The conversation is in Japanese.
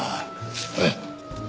おい。